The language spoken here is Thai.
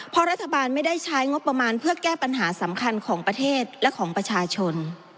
เพราะรัฐบาลไม่ได้ใช้งบประมาณเพื่อแก้ปัญหาสำคัญของประเทศและของประชาชน